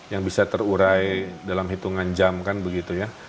yang bisa terurai dalam hitungan jam kan begitu ya